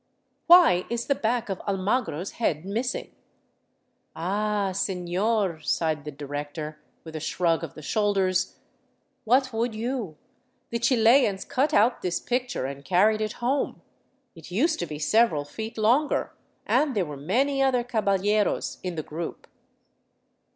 "Why is the back of Almagro's head missing?'* " Ah, senor," sighed the director, with a shrug of the shoulders, " What would you ? The Chilians cut out this picture and carried it home. It used to be several feet longer, and there were many other caballeros in the group."